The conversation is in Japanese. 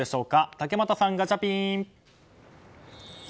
竹俣さん、ガチャピン。